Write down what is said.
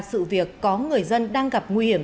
sự việc có người dân đang gặp nguy hiểm